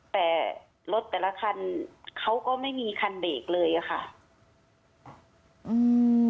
แต่รถแต่ละคันเขาก็ไม่มีคันเบรกเลยอ่ะค่ะอืม